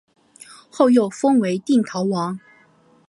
后又封为定陶王。